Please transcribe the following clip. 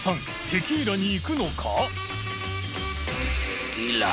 テキーラにいくのか？））